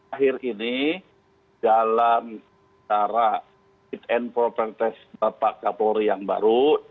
akhir ini dalam cara fit and proper test bapak kapolri yang baru